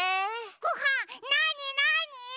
ごはんなになに？